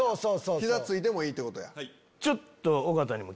膝ついてもいいってことや。